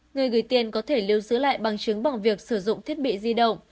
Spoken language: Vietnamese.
người gửi tiền có thể lưu giữ lại bằng chứng bằng việc sử dụng thiết bị di động